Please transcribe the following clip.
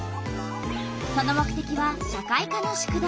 その目てきは社会科の宿題。